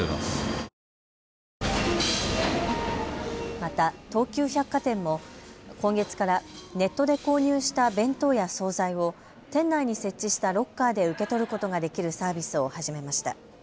また東急百貨店も今月からネットで購入した弁当や総菜を店内に設置したロッカーで受け取ることができるサービスを始めました。